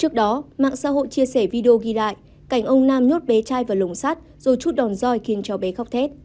trước đó mạng xã hội chia sẻ video ghi lại cảnh ông nam nhốt bé trai vào lồng sát rồi chút đòn roi khiến cháu bé khóc thét